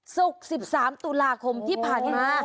ศุกร์๑๓ตุลาคมที่ผ่านมา